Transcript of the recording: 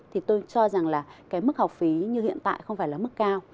thì tôi cho rằng là cái mức học phí như hiện tại không phải là mức cao